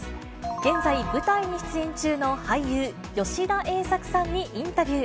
現在、舞台に出演中の俳優、吉田栄作さんにインタビュー。